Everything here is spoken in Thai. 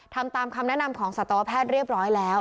ทำตามคำแนะนำของสัตวแพทย์เรียบร้อยแล้ว